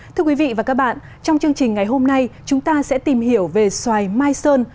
thưa quý vị và các bạn trong chương trình ngày hôm nay chúng ta sẽ tìm hiểu về xoài mai sơn